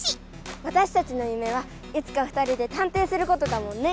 わたしたちのゆめはいつか２人でたんていすることだもんね！